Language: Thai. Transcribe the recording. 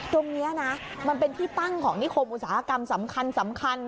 ตรงนี้นะมันเป็นที่ตั้งของนิคมอุตสาหกรรมสำคัญ